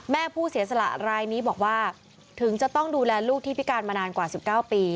ผู้เสียสละรายนี้บอกว่าถึงจะต้องดูแลลูกที่พิการมานานกว่า๑๙ปี